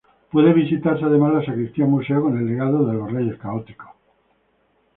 Puede visitarse, además, la Sacristía-Museo, con el legado de los Reyes Católicos.